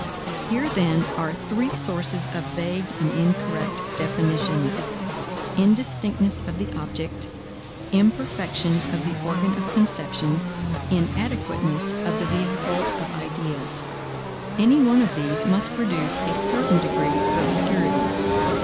Here, then, are three sources of vague and incorrect definitions: indistinctness of the object, imperfection of the organ of conception, inadequateness of the vehicle of ideas. Any one of these must produce a certain degree of obscurity.